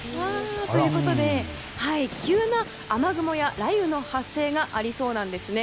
急な雨雲や雷雨の発生がありそうなんですね。